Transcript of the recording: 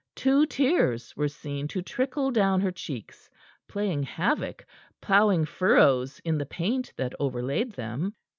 two tears were seen to trickle down her cheeks, playing havoc, ploughing furrows in the paint that overlaid them.